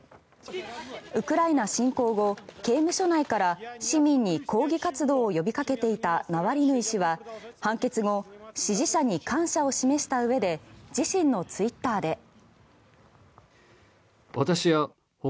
ウクライナ侵攻後刑務所内から市民に抗議活動を呼びかけていたナワリヌイ氏は判決後支持者に感謝を示したうえで自身のツイッターで。